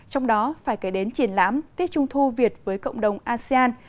trong đó phải kể đến triển lãm tết trung thu việt với cộng đồng asean